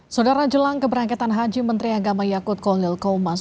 saudara jelang keberangkatan haji menteri agama yakut kohlil koumas